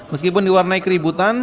meskipun diwarnai keributan